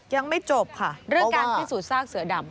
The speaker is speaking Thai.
ยังไม่จบค่ะเรื่องการพิสูจนซากเสือดำ